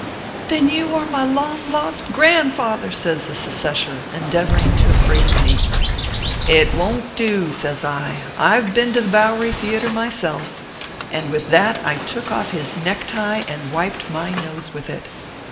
" Then you are my long lost grandfather !" says the secesher, endeavoring to embrace me. " It won t do," says I ;" I ve been to the Bowery Theatre myself ;" and with that I took off his neck tie and wiped my nose with it.